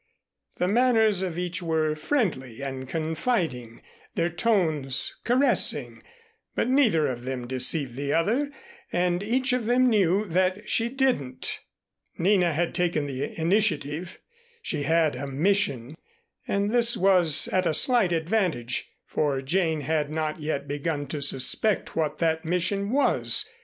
The manners of each were friendly and confiding, their tones caressing, but neither of them deceived the other and each of them knew that she didn't. Nina had taken the initiative. She had a mission and in this was at a slight advantage, for Jane had not yet begun to suspect what that mission was.